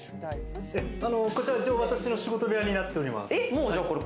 ここは私の仕事部屋になっています。